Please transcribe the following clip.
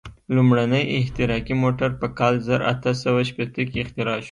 لومړنی احتراقي موټر په کال زر اته سوه شپېته کې اختراع شو.